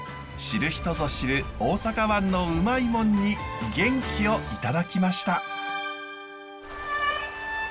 知る人ぞ知る大阪湾のウマいモンに元気をいただきました。